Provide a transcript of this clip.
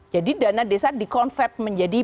jadi dana desa dikonvert menjadi